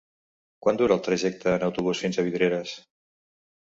Quant dura el trajecte en autobús fins a Vidreres?